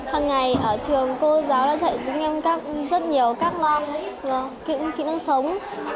hằng ngày ở trường cô giáo đã dạy chúng em rất nhiều các loại kỹ năng sống